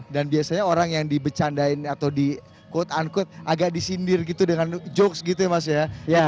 dan biasanya orang yang di becandain atau di quote unquote agak disindir gitu dengan jokes gitu ya mas ya